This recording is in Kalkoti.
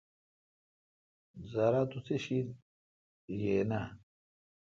زارا توسی شیتھ یاین اؘ۔